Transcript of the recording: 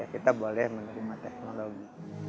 kita boleh menerima teknologi